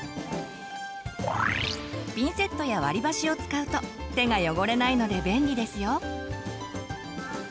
ピンセットや割りばしを使うと手が汚れないので便利ですよ。